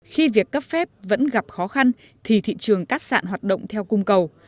khi việc cấp phép vẫn gặp khó khăn thì thị trường cát sạn hoạt động theo cung cầu